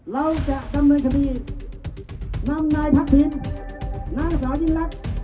เราจะจำเป็นคดีนำนายทักศิลป์นางสาวยิ่งรัก